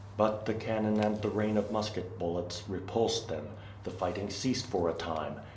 But the cannon and the rain of musket bullets repulsed them. The fighting ceased for a time.